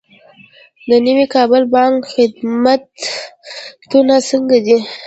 د نوي کابل بانک خدمتونه څنګه دي؟